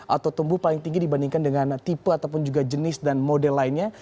atau tumbuh paling tinggi dibandingkan dengan tipe ataupun juga jenis dan model lainnya